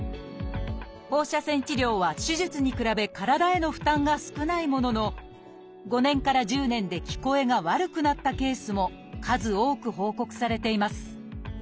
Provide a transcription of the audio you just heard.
放射線治療は手術に比べ体への負担が少ないものの５年から１０年で聞こえが悪くなったケースも数多く報告されています。